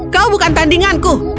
kau bukan tandinganku